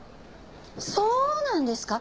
そうなんですか？